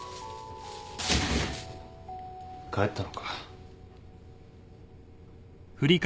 帰ったのか。